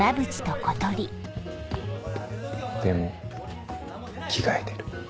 でも着替えてる。